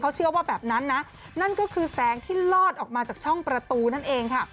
เชื่อว่าแบบนั้นนะนั่นก็คือแสงที่ลอดออกมาจากช่องประตูนั่นเองค่ะ